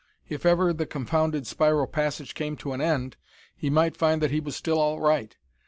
If ever the confounded spiral passage came to an end, he might find that he was still all right.